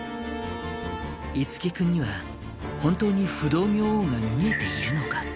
樹君には本当に不動明王が見えているのか？